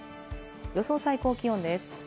予想最高気温です。